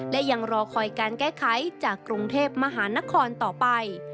และยังรอคอยการแก้ไขจากกรุงเทพมหานครต่อไป